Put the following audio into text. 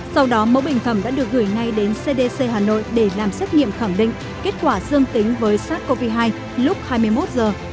sau đó mẫu bệnh phẩm đã được gửi ngay đến cdc hà nội để làm xét nghiệm khẳng định kết quả dương tính với sars cov hai lúc hai mươi một giờ